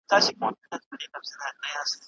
شرعیاتو پوهنځۍ بې بودیجې نه تمویلیږي.